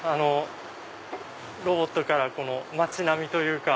ロボットから街並みというか。